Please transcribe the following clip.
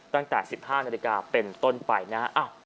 ตั้งแต่๑๕นาฬิกาเป็นต้นไปนะ